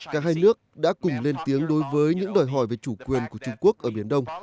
cả hai nước đã cùng lên tiếng đối với những đòi hỏi về chủ quyền của trung quốc ở biển đông